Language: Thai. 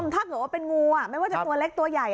ไม่ว่าจะเป็นงูไม่ว่าจะเป็นตัวเล็กตัวใหญ่